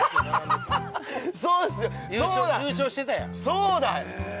◆そうだ。